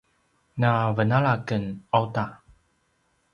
na venala ken auta